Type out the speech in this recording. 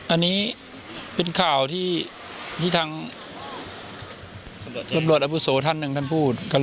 อันนี้เป็นข่าวที่ทางตำรวจอาวุโสท่านหนึ่งท่านพูด